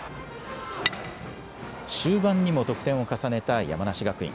終盤にも得点を重ねた山梨学院。